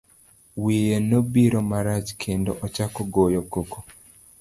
Wiye nobiro marach, kendo ochako goyo koko.